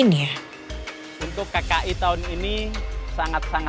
dan penghubung dalam menciptakan ikatan bisnis yang berharga